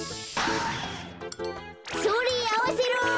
それあわせろ。